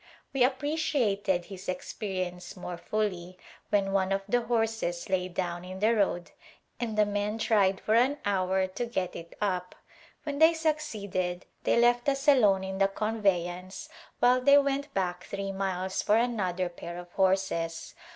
We appreciated his experience more fully when one of the horses lay down in the road and the men tried for an hour to get [•9] A Glimpse of India it up ; when they succeeded they left us alone in the conveyance while they went back three miles for an other pair of horses.